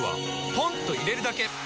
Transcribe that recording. ポンと入れるだけ！